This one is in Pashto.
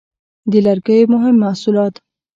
د لرګیو مهم محصولات: